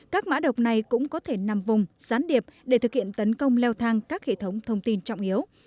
các mã độc này cũng có thể nằm vùng sán điệp để thực hiện tấn công leo thang các hệ thống thông tin trọng yếu